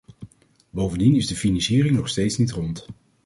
Bovendien is de financiering nog steeds niet rond.